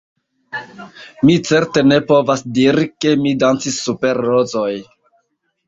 Mi certe ne povas diri, ke mi dancis super rozoj.